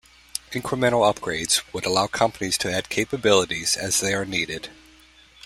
Incremental upgrades would allow companies to add capabilities as they are needed.